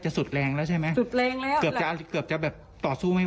เชื่อได้ว่าไม่รอดค่ะไม่รอดแน่นอนเลย